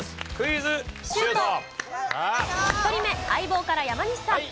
１人目『相棒』から山西さん。